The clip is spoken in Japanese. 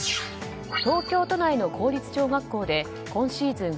東京都内の公立小学校で今シーズン